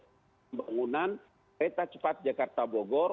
pembangunan kereta cepat jakarta bogor